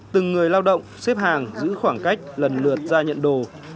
từng người lao động xếp hàng giữ khoảng cách lần lượt ra nhận đồ